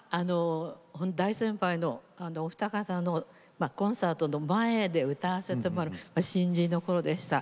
大先輩のお二方のコンサートの前で歌わせてもらう新人のころでした。